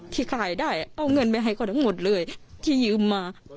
ที่ขายได้เอาเงินไปให้เขาทั้งหมดเลยที่ยืมมา